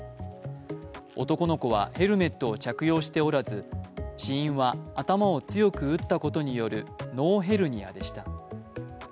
男の子はヘルメットを着用しておらず、死因は頭を強く打ったことによる脳ヘルニアでした。